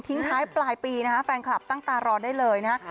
ท้ายปลายปีนะฮะแฟนคลับตั้งตารอได้เลยนะฮะ